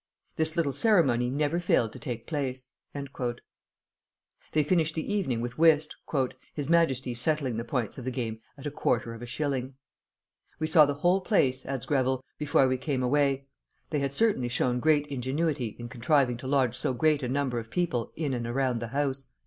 This little ceremony never failed to take place." They finished the evening with whist, "his Majesty settling the points of the game at a quarter of a shilling." "We saw the whole place," adds Greville, "before we came away; they had certainly shown great ingenuity in contriving to lodge so great a number of people in and around the house.